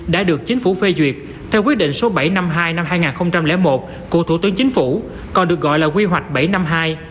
đã được chính phủ phê duyệt theo quyết định số bảy trăm năm mươi hai năm hai nghìn một của thủ tướng chính phủ còn được gọi là quy hoạch bảy trăm năm mươi hai